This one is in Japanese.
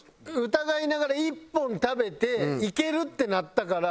疑いながら１本食べていけるってなったからバナナを全部食べた。